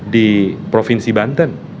di provinsi banten